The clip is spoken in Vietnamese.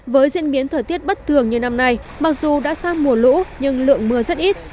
với diễn biến thời tiết bất thường như năm nay mặc dù đã sang mùa lũ nhưng lượng mưa rất ít